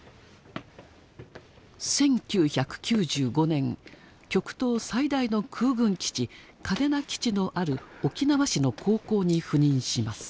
１９９５年極東最大の空軍基地嘉手納基地のある沖縄市の高校に赴任します。